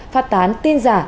phát tán tiên giả